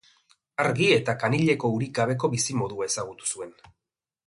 Argi eta kanileko urik gabeko bizimodua ezagutu zuen.